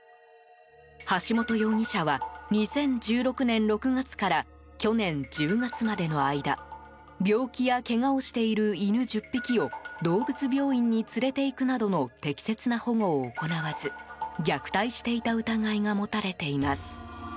橋本容疑者は２０１６年６月から去年１０月までの間病気やけがをしている犬１０匹を動物病院に連れていくなどの適切な保護を行わず虐待していた疑いが持たれています。